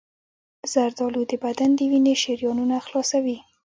زردآلو د بدن د وینې شریانونه خلاصوي.